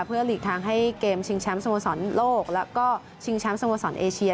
เพื่อหลีกทางให้เกมชิงแชมป์สโมสรโลกแล้วก็ชิงแชมป์สโมสรเอเชีย